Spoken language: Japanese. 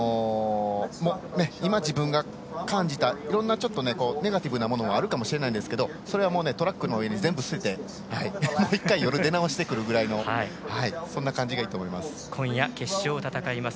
今、自分が感じたいろいろなネガティブなものもあるかもしれないですけどそれはトラックの上に全部捨ててもう１回夜出直してくるぐらいのそんな感じがいいと思います。